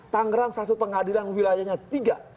tangerang satu pengadilan wilayahnya tiga